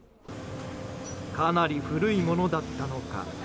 かなり古いものだったのか。